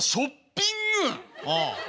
ああ。